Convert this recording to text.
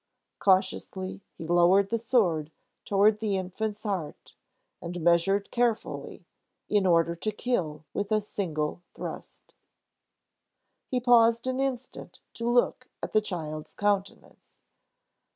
Cautiously he lowered the sword toward the infant's heart, and measured carefully, in order to kill with a single thrust. He paused an instant to look at the child's countenance.